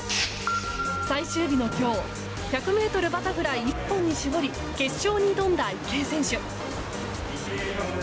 最終日の今日１００ｍバタフライ一本に絞り決勝に挑んだ池江選手。